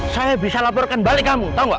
saya bisa laporkan balik kamu tau gak